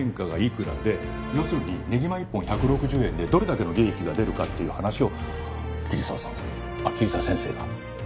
要するにねぎま１本１６０円でどれだけの利益が出るかっていう話を桐沢さんあっ桐沢先生が。